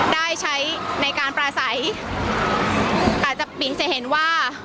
ได้ใช้ในการปราศัยอาจจะเปลี่ยนเสียเห็นว่า